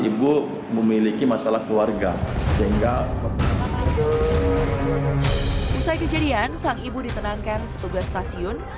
ibu memiliki masalah keluarga sehingga usai kejadian sang ibu ditenangkan petugas stasiun